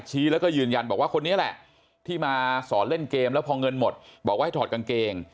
แล้วก็ยืนยันบอกว่าคนนี้แหละที่มาสอนเล่นเกมแล้วพอเงินหมดบอกว่าให้ถอดกางเกง